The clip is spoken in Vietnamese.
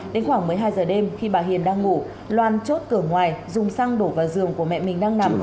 đến khoảng một mươi hai giờ đêm khi bà hiền đang ngủ loan chốt cửa ngoài dùng xăng đổ vào giường của mẹ mình đang nằm